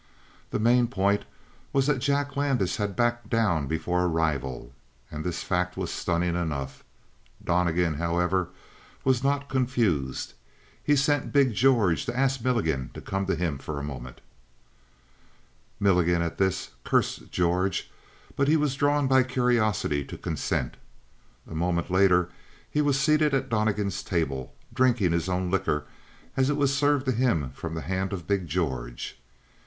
The main point was that Jack Landis had backed down before a rival; and this fact was stunning enough. Donnegan, however, was not confused. He sent big George to ask Milligan to come to him for a moment. Milligan, at this, cursed George, but he was drawn by curiosity to consent. A moment later he was seated at Donnegan's table, drinking his own liquor as it was served to him from the hands of big George.